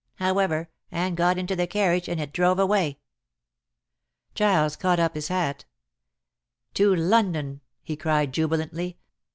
However, Anne got into the carriage and it drove away." Giles caught up his hat. "To London," he cried jubilantly.